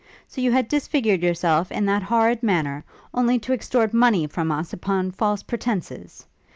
So you had disfigured yourself in that horrid manner, only to extort money from us upon false pretences?